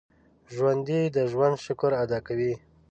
ژوندي د ژوند شکر ادا کوي